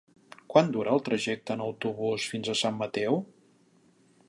Quant dura el trajecte en autobús fins a Sant Mateu?